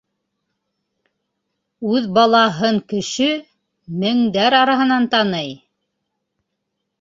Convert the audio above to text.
Үҙ балаһын кеше... мендәр араһынан таный!